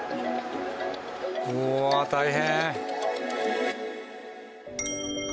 うわあ大変！